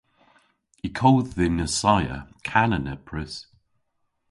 Y kodh dhyn assaya kana nepprys.